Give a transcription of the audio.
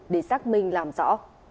hãy xác minh làm rõ